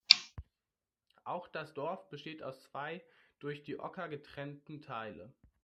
Auch das Dorf besteht aus zwei durch die Oker getrennten Teilen.